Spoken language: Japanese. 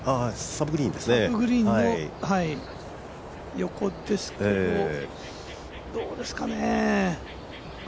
サブグリーンの横ですけど、どうですかね。